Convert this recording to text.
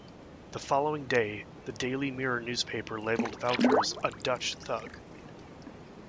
The following day, the "Daily Mirror" newspaper labelled Wouters a "Dutch thug".